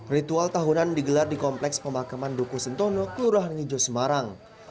ritual tahunan digelar di kompleks pemakaman duku sentono kelurahan ngi jo sumarang